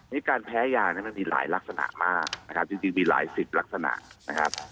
นี่การแพ้ยานั้นมันมีหลายลักษณะมากนะครับจริงมีหลายสิบลักษณะนะครับ